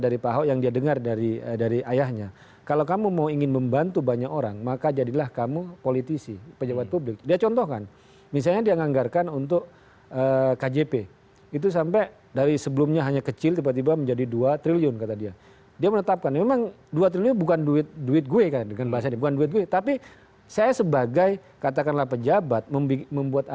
rekamannya ada ketika peristiwa di pengadilan itu